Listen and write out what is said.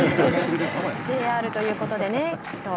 ＪＲということでねきっと。